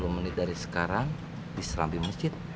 tiga puluh menit dari sekarang di serambi masjid